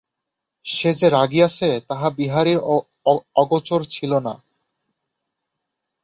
সে যে রাগিয়াছে, তাহা বিহারীর আগোচর ছিল না।